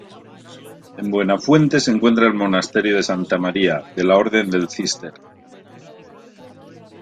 En Buenafuente se encuentra el monasterio de Santa María, de la Orden del Císter.